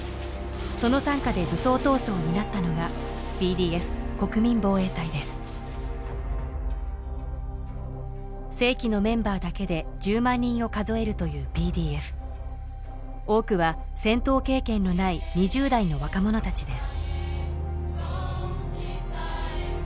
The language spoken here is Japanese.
その傘下で武装闘争を担ったのが正規のメンバーだけで１０万人を数えるというＰＤＦ多くは戦闘経験のない２０代の若者たちです